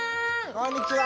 こんにちは！